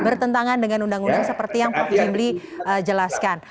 bertentangan dengan undang undang seperti yang prof jimli jelaskan